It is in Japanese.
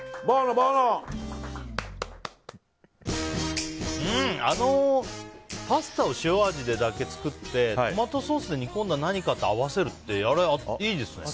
あのパスタを塩味で作ってトマトソースで煮込んだ何かと合わせるって、いいですね。